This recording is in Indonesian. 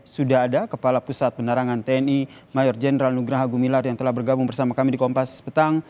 sudah ada kepala pusat penerangan tni mayor jenderal nugraha gumilar yang telah bergabung bersama kami di kompas petang